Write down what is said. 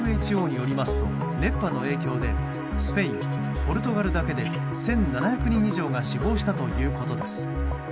ＷＨＯによりますと熱波の影響でスペイン、ポルトガルだけで１７００人以上が死亡したということです。